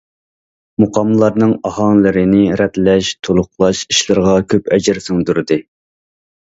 مۇقاملارنىڭ ئاھاڭلىرىنى رەتلەش، تولۇقلاش ئىشلىرىغا كۆپ ئەجىر سىڭدۈردى.